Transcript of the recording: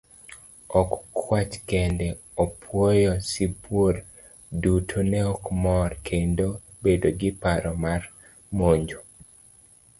Ok kwach kende, apuoyo, sibuor, duto neok mor, kendo bedo gi paro mar monjo.